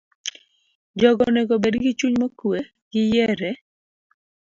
Jogo onego obed gi chuny mokuwe, giyier e